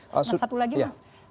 nah satu lagi mas